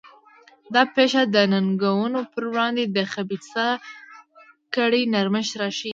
دا پېښه د ننګونو پر وړاندې د خبیثه کړۍ نرمښت راښيي.